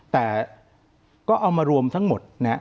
แต่ก็เอามารวมทั้งหมดนะฮะ